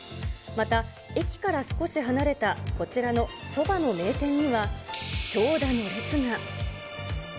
また、駅から少し離れたこちらのそばの名店には、長蛇の列が。